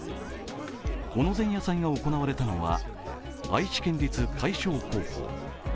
この前夜祭が行われたのは愛知県立海翔高校。